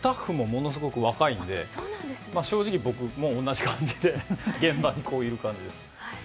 ものすごく若いんで正直、僕も同じ感じで現場にいる感じです。